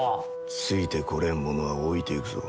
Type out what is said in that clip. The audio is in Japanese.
ついてこれん者は置いていくぞ。